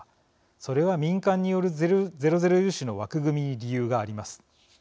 それは民間によるゼロゼロ融資の枠組みに理由があります。